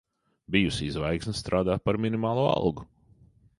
Bijusī zvaigzne strādā par minimālo algu.